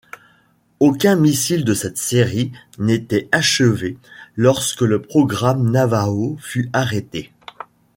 Aucun missile de cette série n'était achevée lorsque le programme Navaho fut arrêté.